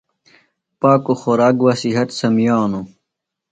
پاکُوۡ خوراک بہ صِحت سمِیانوۡ۔